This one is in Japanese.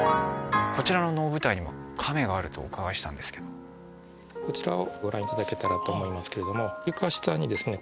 こちらの能舞台にも甕があるとお伺いしたんですけどこちらをご覧いただけたらと思いますけれども床下にですね